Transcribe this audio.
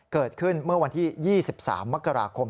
เกิดขึ้นเมื่อวันที่๒๓มกราคม